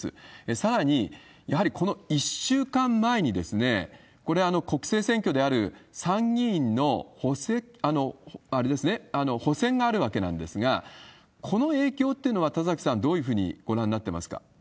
さらに、やはりこの１週間前に、これ、国政選挙である参議院の補選があるわけなんですが、この影響っていうのは、田崎さん、どういうふうにご覧になってますか？